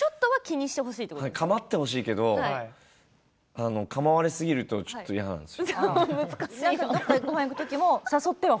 構ってほしいけど構われすぎるとちょっと嫌なんですよ。